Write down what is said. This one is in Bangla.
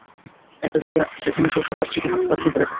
একটা জায়গা যেখানে শৈশব আর স্মৃতি হাত ধরাধরি করে থাকে।